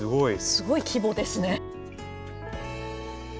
すごい規模ですね。